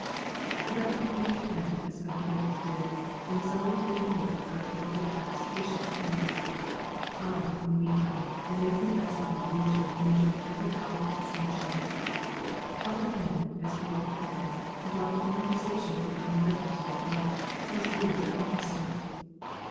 The Reverend E N has found plenty to do, and is already taking work out of the overtaxed Bishop's hands. I, in the meantime, am making the best of my leisure and enjoying every hour of the sunshine. "Father N.," as we call the padre, got into conversation with an Army veteran to day at lunch, whose views were interesting.